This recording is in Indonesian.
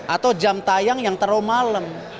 atau jam tayang yang terlalu malam